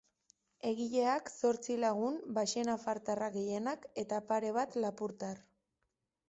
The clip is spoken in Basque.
Egileak zortzi lagun, baxenafartarrak gehienak, eta pare bat lapurtar.